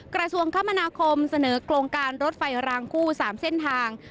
กระทรวงคมนาคมเสนอโครงการรถไฟรางคู่๓เส้นทาง